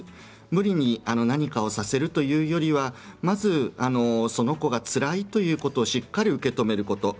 無理に何かをさせるというよりはまずその子がつらいということをしっかり受け止めること。